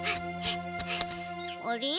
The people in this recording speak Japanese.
あれ？